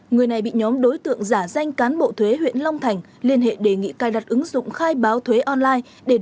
người này bị nhóm đối tượng giả danh cán bộ thuế huyện long thành liên hệ đề nghị cài đặt ứng dụng khai báo thuế online